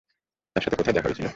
তার সাথে কোথায় দেখা হয়েছিল?